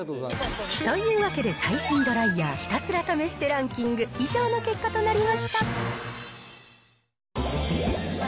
というわけで、最新ドライヤーひたすら試してランキング、以上の結果となりました。